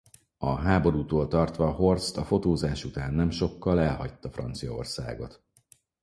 A háborútól tartva Horst a fotózás után nem sokkal elhagyta Franciaországot.